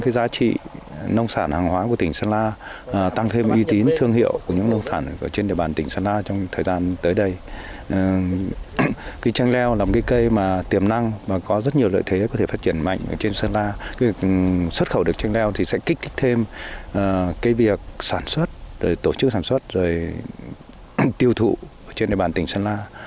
việc sản xuất tổ chức sản xuất tiêu thụ trên đề bản tỉnh sơn la